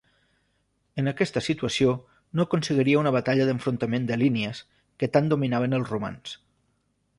En aquesta situació no aconseguiria una batalla d'enfrontament de línies, que tant dominaven els romans.